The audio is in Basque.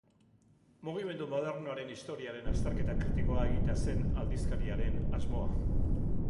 Mugimendu modernoaren historiaren azterketa kritikoa egitea zen aldizkari haren asmoa.